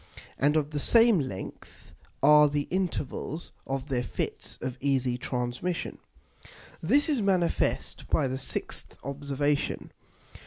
And of the same length are the Intervals of their Fits of easy Transmission._ This is manifest by the 6th Observation.